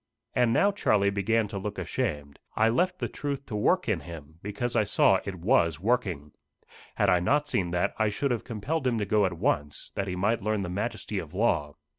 And now Charlie began to look ashamed. I left the truth to work in him, because I saw it was working. Had I not seen that, I should have compelled him to go at once, that he might learn the majesty of law.